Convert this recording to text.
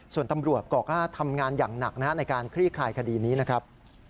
ส่วนตำรวจบอกว่าทำงานอย่างหนักในการคลี่คลายคดีนี้นะครับ